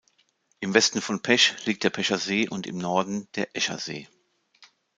Im Westen von Pesch liegt der Pescher See und im Norden der Escher See.